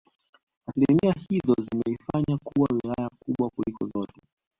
Asilimia hizo zimeifanya kuwa Wilaya kubwa kuliko zote